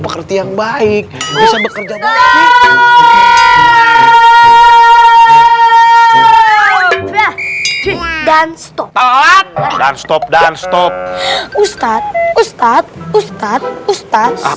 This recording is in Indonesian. pekerti yang baik bisa bekerja baik dan stop dan stop dan stop ustadz ustadz ustadz ustadz